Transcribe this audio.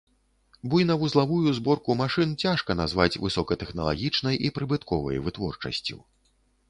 Буйнавузлавую зборку машын цяжка назваць высокатэхналагічнай і прыбытковай вытворчасцю.